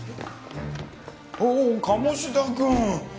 おお鴨志田君。